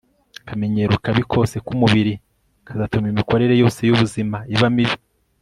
akamenyero kabi kose k'umubiri kazatuma imikorere yose y'ubuzima iba mibi